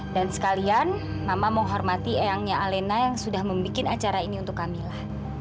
dan sekalian mama menghormati ayangnya alena yang sudah membuat acara ini untuk kamila